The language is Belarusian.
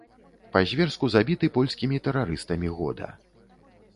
Па-зверску забіты польскімі тэрарыстамі года.